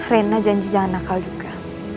rena janji jangan nakal juga